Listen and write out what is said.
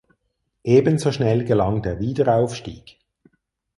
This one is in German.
Ebenso schnell gelang der Wiederaufstieg.